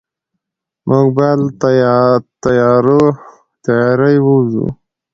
موږ باید له تیارې ووځو.